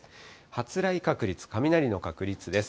発雷確率、雷の確率です。